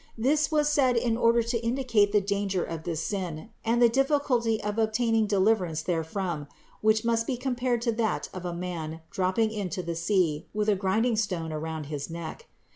This was said in order to indicate the danger of this sin and the difficulty of obtaining deliverance therefrom, which must be compared to that of a man dropping into the sea with a grinding stone around his neck.